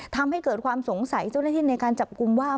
ทำให้เกิดความสงสัยเจ้าหน้าที่ในการจับกลุ่มว่า